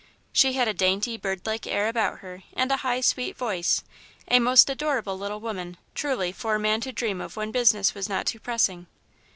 She had a dainty, bird like air about her and a high, sweet voice a most adorable little woman, truly, for a man to dream of when business was not too pressing.